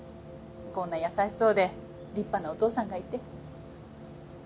こんな優しそうで立派なお父さんがいて。